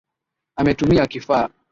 .Ametumia kifaa